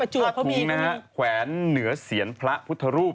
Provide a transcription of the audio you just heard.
ประถุงนะครับขวานเหนือเสียนพระพุทธรูป